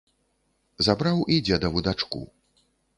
Забраў і дзедаву дачку.